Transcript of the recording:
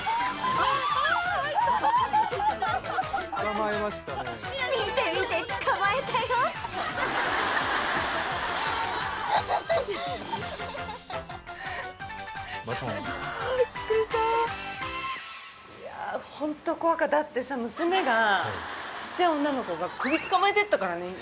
あビックリしたいやホント怖かっただってさ娘がちっちゃい女の子が首つかまえてったからね